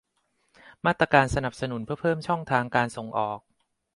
มาตรการสนับสนุนเพื่อเพิ่มช่องทางการส่งออก